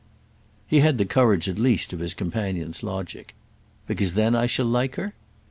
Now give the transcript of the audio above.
He had the courage at least of his companion's logic. "Because then I shall like her?"